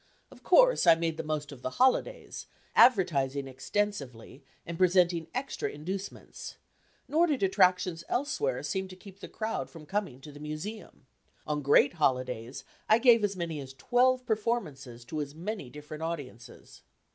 Of course I made the most of the holidays, advertising extensively and presenting extra inducements; nor did attractions elsewhere seem to keep the crowd from coming to the Museum. On great holidays, I gave as many as twelve performances to as many different audiences.